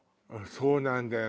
そうなんだよね。